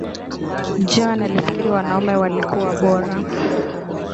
Joan alifikiri wanaume walikuwa bora